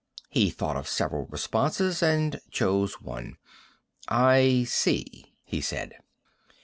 He thought of several responses and chose one. "I see," he said.